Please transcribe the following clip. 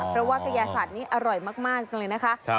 เพราะว่ากระยาศาสตร์นี้อร่อยมากเลยนะคะ